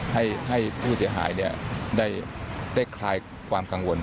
ให้ผู้เสียหายได้คลายความกังวล